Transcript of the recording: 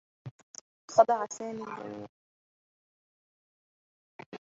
خدع سامي الجميع.